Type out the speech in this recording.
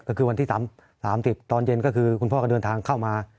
ก็คือวันที่๓๐ตอนเย็นก็คือคุณพ่อก็เดินทางเข้ามา